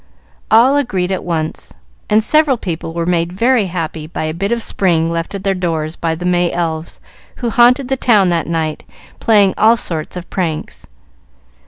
All agreed at once, and several people were made very happy by a bit of spring left at their doors by the May elves who haunted the town that night playing all sorts of pranks.